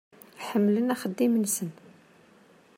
Ḥemmlen axeddim-nsen.